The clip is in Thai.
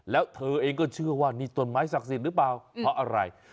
แล้วเธอเองก็เชื่อว่านี่ต้นไม้ศักดิ์สิทธิ์หรือเปล่าเพราะอะไร